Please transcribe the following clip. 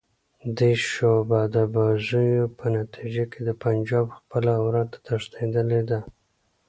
دې شعبده بازیو په نتیجه کې د پنجاب خپله عورته تښتېدلې ده.